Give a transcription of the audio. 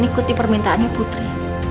ikuti permintaannya putri